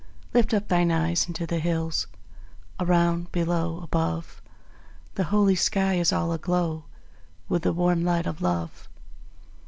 Lift up thine eyes unto the hills; Around, below, above, The holy sky is all aglow With the warm light of Love.